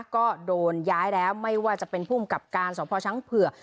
ก็โดนย้ายแล้วไม่ว่าจะเป็นภูมิกับการสพช้างเผือก